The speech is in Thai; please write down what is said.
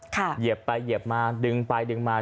เหยียบไปเหยียบมาดึงไปดึงมา